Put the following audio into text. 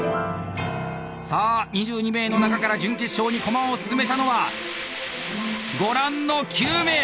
さあ２２名の中から準決勝に駒を進めたのはご覧の９名！